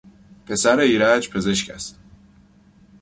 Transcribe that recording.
پسر ایرج پزشک است.